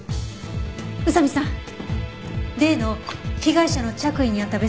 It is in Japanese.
宇佐見さん例の被害者の着衣にあった別の血痕